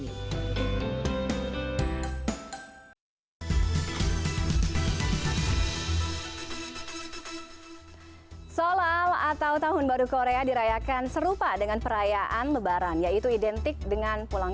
hai soal atau tahun baru korea dirayakan serupa dengan perayaan lebaran yaitu identik dengan pulang